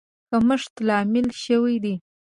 کمښت لامل شوی دی.